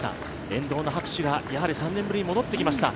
沿道の拍手が３年ぶりに戻ってきました。